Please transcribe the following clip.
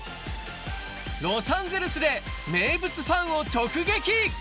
ロサンゼルスで名物ファンを直撃！